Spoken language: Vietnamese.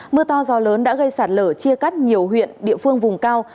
mưa to gió lớn đã gây sạt lở chia cắt nhiều huyện địa phương vùng cao